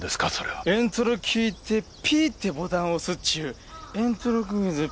エントロ聴いてピーってボタンを押すっちゅう「エントロクイズピー」じゃのう！？